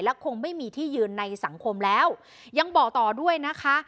คงไม่มีที่ยืนในสังคมแล้วยังบอกต่อด้วยนะคะ